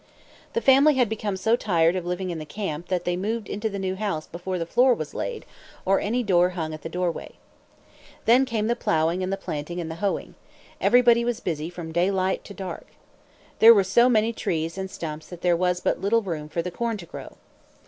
The family had become so tired of living in the "camp," that they moved into the new house before the floor was laid, or any door hung at the doorway. Then came the plowing and the planting and the hoeing. Everybody was busy from daylight to dark. There were so many trees and stumps that there was but little room for the corn to grow.